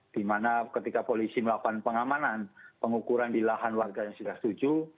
di mana ketika polisi melakukan pengamanan pengukuran di lahan warga yang sudah setuju